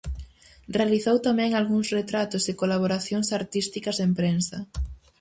Realizou tamén algúns retratos e colaboracións artísticas en prensa.